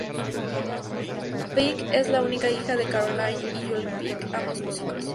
Pike es la única hija de Caroline y Julian Pike, ambos músicos.